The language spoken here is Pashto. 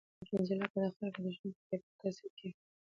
په افغانستان کې جلګه د خلکو د ژوند په کیفیت تاثیر کوي.